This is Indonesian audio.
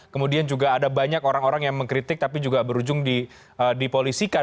kemudian juga ada banyak orang orang yang mengkritik tapi juga berujung dipolisikan